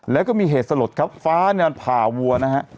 แล้วก็มีเหตุสลดครับฟ้าเนี่ยผ่าวัวนะฮะ